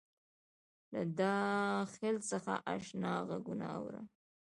له داخل څخه آشنا غــږونه اورم